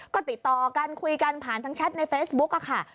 ก็ติดต่อกันคุยกันผ่านทางแชทในเฟซบุ๊กค่ะ